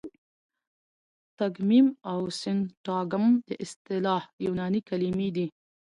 تګمیم او د سینټاګم اصطلاح یوناني کلیمې دي.